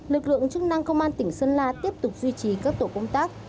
lực lượng chức năng công an tỉnh sơn la tiếp tục duy trì các tổ công tác